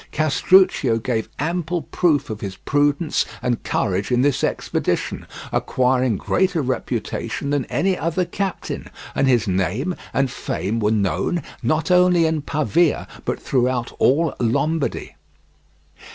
Castruccio gave ample proof of his prudence and courage in this expedition, acquiring greater reputation than any other captain, and his name and fame were known, not only in Pavia, but throughout all Lombardy.